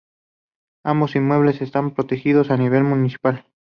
Ambos inmuebles están protegidos a nivel municipal.